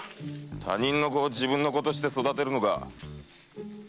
他人の子を自分の子として育てるのか？